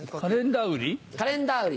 カレンダー売り？